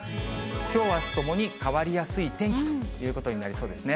きょう、あすともに変わりやすい天気ということになりそうですね。